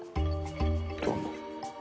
どうも。